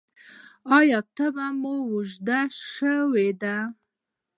ایا تبه مو اوږده شوې ده؟